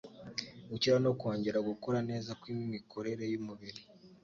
gukira no kongera gukora neza kw’imikorere y’umubiri.